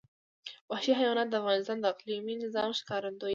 وحشي حیوانات د افغانستان د اقلیمي نظام ښکارندوی ده.